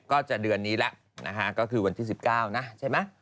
ก็จะเดือนนี้แล้วนะฮะก็คือวันที่๑๙นะใช่ไหม